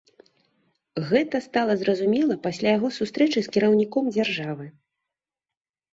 Гэта стала зразумела пасля яго сустрэчы з кіраўніком дзяржавы.